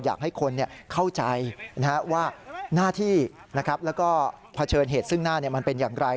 อยากให้คนเข้าใจว่าหน้าที่แล้วก็เผชิญเหตุซึ่งหน้ามันเป็นอย่างไร